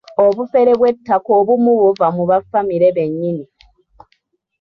Obufere bw'ettaka obumu buva mu ba ffamire bennyini.